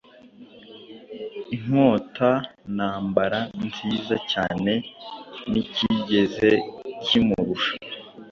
Inkota-ntambara nziza cyane nticyigeze kimurusha